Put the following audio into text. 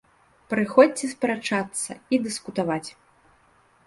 Прыходзьце спрачацца і дыскутаваць!